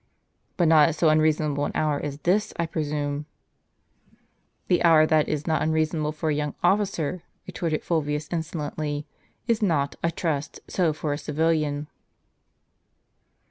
" But not at so unreasonable an hour as this, I presume?" " The hour that is not unreasonable for a young officer," retorted Fulvius insolently, " is not, I trust, so for a civilian."